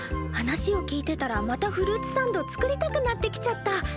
話を聞いてたらまたフルーツサンド作りたくなってきちゃった。